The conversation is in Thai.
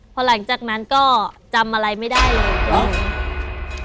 พอหลังจากนั้นก็จำอะไรไม่ได้เลยเหรอ